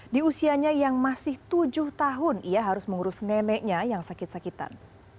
di usianya yang masih tujuh tahun ia harus mengurus neneknya yang sakit sakitan